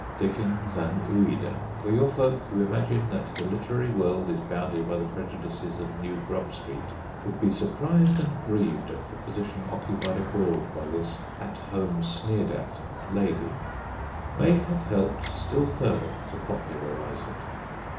Dickens and Ouida (for your folk who imagine that the literary world is bounded by the prejudices of New Grub Street, would be surprised and grieved at the position occupied abroad by this at home sneered at lady) may have helped still further to popularise it.